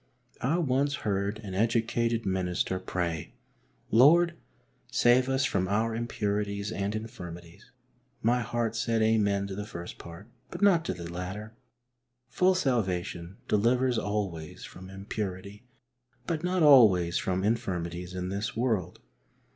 I once heard an educated minister pray, " Lord, save us from our impurities and infirmities." My heart said Amen to the first part, but not to the latter. Full salvation delivers always from impurity, but not always from infirmities in this world.